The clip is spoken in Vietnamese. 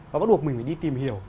và bắt buộc mình phải đi tìm hiểu